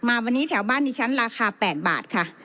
มาวันนี้แถวบ้านดิฉันราคา๘บาทค่ะ